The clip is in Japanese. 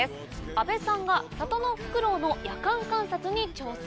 阿部さんが里のフクロウの夜間観察に挑戦。